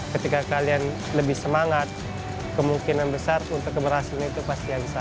tapi ketika kalian lebih semangat kemungkinan besar untuk berhasil itu pasti besar